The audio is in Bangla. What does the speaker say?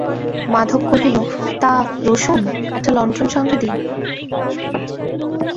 মাধব কহিল, তা, রসুন, একটা লণ্ঠন সঙ্গে দিই।